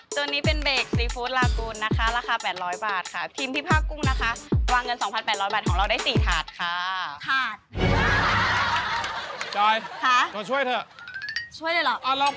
ดูดีอ่ะนี่แหละที่ตามหา